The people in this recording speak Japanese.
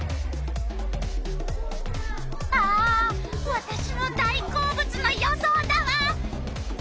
あわたしの大好物の予想だわ。